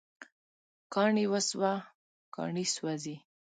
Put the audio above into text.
کاڼي وسوه، کاڼي سوزی